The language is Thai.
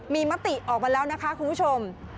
มีมติออกมาแล้วนะคะคุณผู้ชม